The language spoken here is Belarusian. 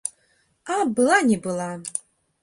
А была не была!